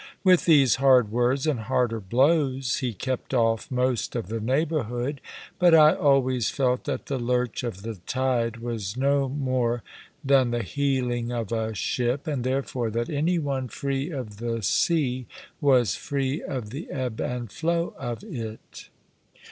With these hard words, and harder blows, he kept off most of the neighbourhood; but I always felt that the lurch of the tide was no more than the heeling of a ship, and therefore that any one free of the sea, was free of the ebb and flow of it.